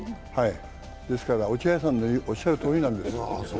ですから、落合さんのおっしゃるとおりなんです。